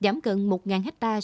giảm gần một hectare